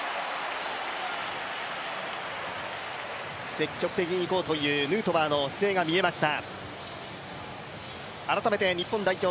積極的にいこうというヌートバーの姿勢が見えました。